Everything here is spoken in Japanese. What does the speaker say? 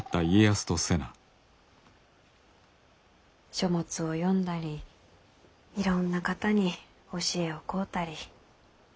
書物を読んだりいろんな方に教えを請うたり。